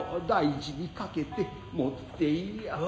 大事に掛けて持っていや。